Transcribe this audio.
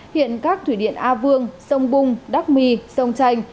hiện các thủy điện a vương sông bung đắc my sông chanh